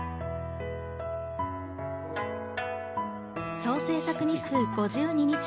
総制作日数５２日。